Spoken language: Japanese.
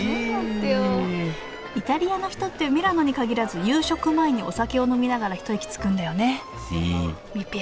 イタリアの人ってミラノにかぎらず夕食前にお酒を飲みながら一息つくんだよね